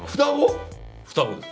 双子です。